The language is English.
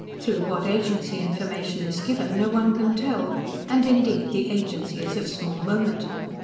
Through what agency information is given no one can tell, and, indeed, the agency is of small moment.